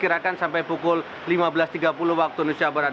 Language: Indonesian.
kirakan sampai pukul lima belas tiga puluh waktu indonesia barat